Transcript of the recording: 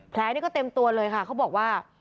แผลนี่ก็เต็มตัวเลยค่ะเขาบอกว่า